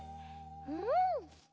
うん。